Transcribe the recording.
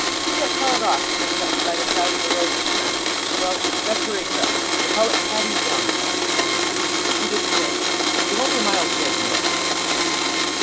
See that tall rock sticking up by the side of the road at the turn? Well, that's where he fell; they call it 'Paddy's Downfall,' among the country people to this day. We've only a mile to go from there."